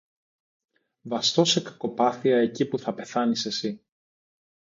Βαστώ σε κακοπάθεια εκεί που θα πεθάνεις εσύ